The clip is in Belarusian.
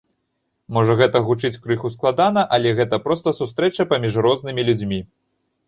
Можа гэта гучыць крыху складана, але гэта проста сустрэча паміж рознымі людзьмі.